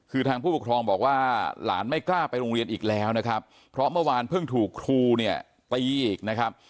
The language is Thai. คือทางผู้ปกครองบอกว่าหลานไม่กล้าไปโรงเรียนอีกแล้วนะครับเพราะเมื่อวานเพิ่งถูกครูเนี่ยตีอีกนะครับ